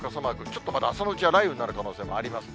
ちょっとまだ朝のうちは雷雨になる可能性もあります。